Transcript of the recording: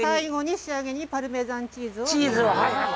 仕上げにパルメザンチーズを。